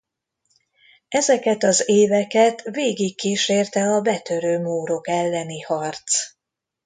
Ezeket az éveket végigkísérte a betörő mórok elleni harc.